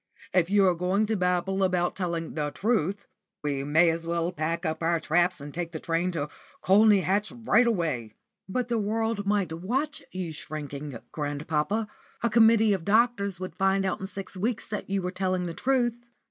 If you are going to babble about telling the truth we may as well pack up our traps and take the train to Colney Hatch right away." "But the world might watch you shrinking, grandpapa. A committee of doctors would find out in six weeks that you were telling the truth."